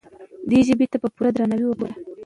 دې ژبې ته په پوره درناوي وګورئ.